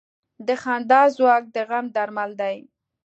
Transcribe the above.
د خندا ځواک د غم درمل دی.